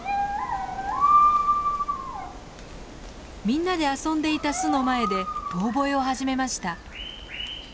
みんなで遊んでいた巣の前で遠ぼえを始めました。